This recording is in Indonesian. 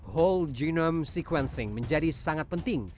whole genome sequencing menjadi sangat penting